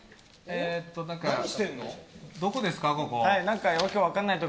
どこですかここ。